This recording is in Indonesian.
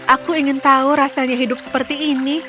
aku ingin tahu rasanya hidup seperti ini